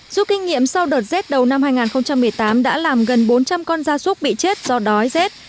dù kinh nghiệm sau đợt rét đầu năm hai nghìn một mươi tám đã làm gần bốn trăm linh con gia súc bị chết do đói rét